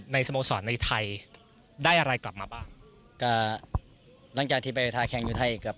สโมสรในไทยได้อะไรกลับมาบ้างก็หลังจากที่ไปทาแข่งอยู่ไทยกับ